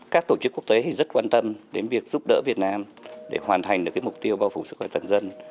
các tổ chức quốc tế rất quan tâm đến việc giúp đỡ việt nam để hoàn thành được mục tiêu bao phủ sức khỏe toàn dân